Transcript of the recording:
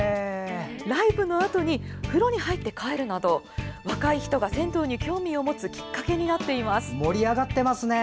ライブのあとに風呂に入って帰るなど若い人が銭湯に興味を持つきっかけになっています。